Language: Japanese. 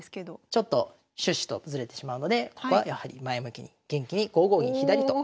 ちょっと趣旨とずれてしまうのでここはやはり前向きに元気に５五銀左と。